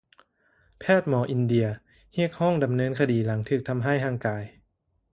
ແພດໝໍອິນເດຍຮຽກຮ້ອງດຳເນີນຄະດີຫຼັງຖືກທຳຮ້າຍຮ່າງກາຍ